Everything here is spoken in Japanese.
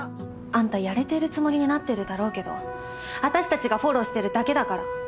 あんたやれてるつもりになってるだろうけどあたしたちがフォローしてるだけだから。